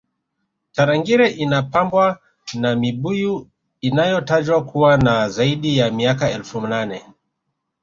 tarangire inapambwa na mibuyu inayotajwa kuwa na zaidi ya miaka elfu nane